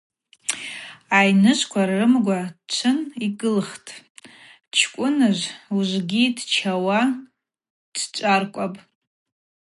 Айныжвква рымгва чвын йгылхтӏ, Чкӏвыныжв ужвыгьи дчауа дчӏваркӏвапӏ.